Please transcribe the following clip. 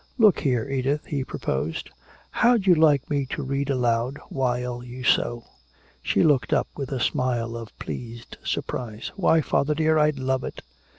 "Look here, Edith," he proposed, "how'd you like me to read aloud while you sew?" She looked up with a smile of pleased surprise. "Why, father dear, I'd love it."